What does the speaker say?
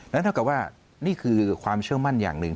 เท่ากับว่านี่คือความเชื่อมั่นอย่างหนึ่ง